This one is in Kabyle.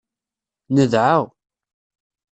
Nedɛa.